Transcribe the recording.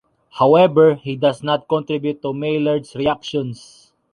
However, he does not contribute to Maillard's reactions.